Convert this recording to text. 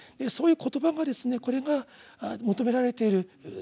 そういう「言葉」がですねこれが求められている。